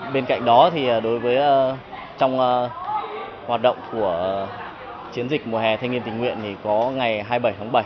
bên cạnh đó thì đối với trong hoạt động của chiến dịch mùa hè thanh niên tình nguyện thì có ngày hai mươi bảy tháng bảy